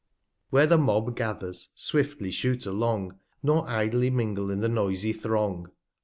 50 Where the Mob gathers, swiftly shoot along, Nor idly mingle in the noisy Throng.